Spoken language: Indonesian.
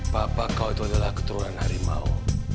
papa kau itu adalah keturunan harimau